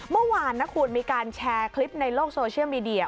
เมื่อวานนะคุณมีการแชร์คลิปในโลกโซเชียลมีเดีย